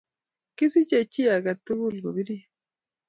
kisiche chi age tugul ko birir